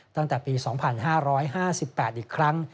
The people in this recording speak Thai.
ตั้งแต่ปี๒๕๕๘อีกครั้ง